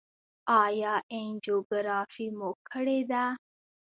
ایا انجیوګرافي مو کړې ده؟